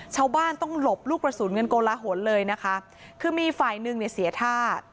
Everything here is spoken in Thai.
ชาวบ้านต้องหลบลูกกระสุนกันโกลหนเลยนะคะคือมีฝ่ายหนึ่งเนี่ยเสียท่า